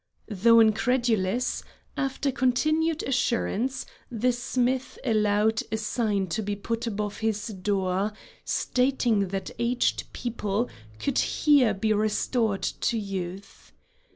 Though incredulous, after continued assurance the smith allowed a sign to be put above his door, stating that aged people could here be restored to youth.